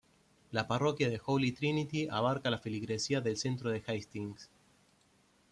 La parroquia del Holy Trinity abarca la feligresía del centro de Hastings.